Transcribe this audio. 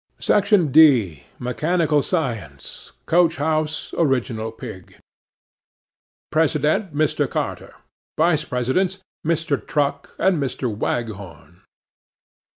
'SECTION D.—MECHANICAL SCIENCE. COACH HOUSE, ORIGINAL PIG. President—Mr. Carter. Vice Presidents—Mr. Truck and Mr. Waghorn.